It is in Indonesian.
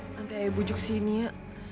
nanti ayah bujuk si nia